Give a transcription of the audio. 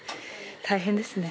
大変ですね。